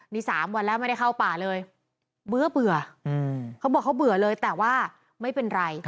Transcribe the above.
นี่๓วันแล้วไม่ได้เข้าป่าเลยเบื่อเขาบอกเขาเบื่อเลยแต่ว่าไม่เป็นไร